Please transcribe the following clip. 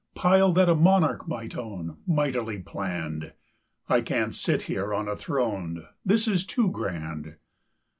Pile that a monarch might own, Mightily plann'd! I can't sit here on a throne, This is too grand.